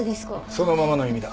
そのままの意味だ。